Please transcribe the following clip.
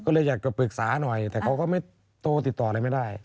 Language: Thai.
ก็เลยอยากจะปรึกษาหน่อยแต่เขาก็ไม่โทรติดต่ออะไรไม่ได้